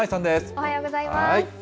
おはようございます。